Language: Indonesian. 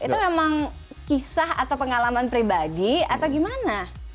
itu memang kisah atau pengalaman pribadi atau gimana